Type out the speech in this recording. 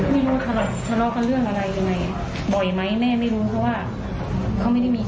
ไม่เคยเห็นเลยใช่ค่ะไม่เคยเห็นเลย